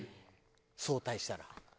早退したら。